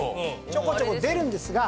ちょこちょこ出るんですが。